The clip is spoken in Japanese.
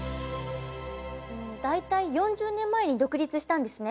大体４０年前に独立したんですね。